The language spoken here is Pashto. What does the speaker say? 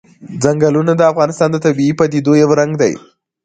ځنګلونه د افغانستان د طبیعي پدیدو یو رنګ دی.